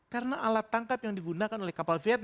karena alat tangkap yang digunakan oleh kapal vietnam